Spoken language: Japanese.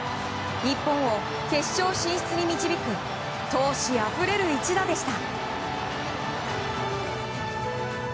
日本を決勝進出に導く闘志あふれる一打でした。